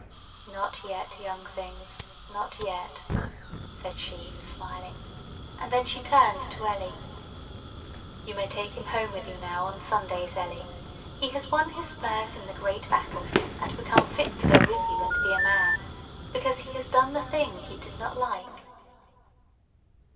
"Not yet, young things, not yet," said she, smiling; and then she turned to Ellie. "You may take him home with you now on Sundays, Ellie. He has won his spurs in the great battle, and become fit to go with you and be a man; because he has done the thing he did not like."